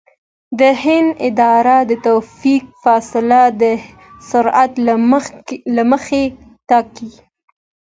د هند اداره د توقف فاصله د سرعت له مخې ټاکي